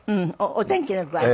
お天気の具合？